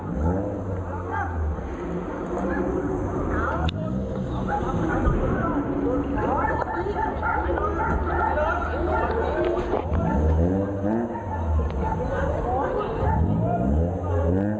สวัสดีครับทุกคน